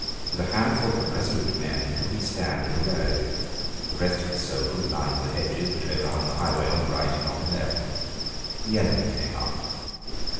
With a handful of resolute men he took his stand in the road. The rest of his soldiers lined the hedges which overhung the highway on the right and on the left. The enemy came up.